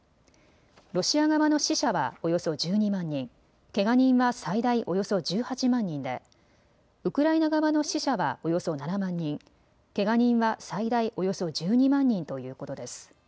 ロシア側の死者はおよそ１２万人、けが人は最大およそ１８万人でウクライナ側の死者はおよそ７万人、けが人は最大およそ１２万人ということです。